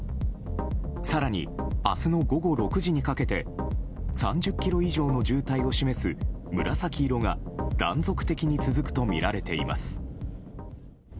更に、明日の午後６時にかけて３０ｋｍ以上の渋滞を示す紫色が断続的に続くとみられています。